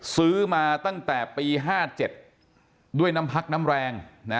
ซื้อมาตั้งแต่ปี๕๗ด้วยน้ำพักน้ำแรง